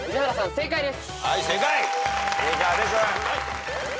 正解です。